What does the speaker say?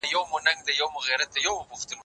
انځور وګوره!؟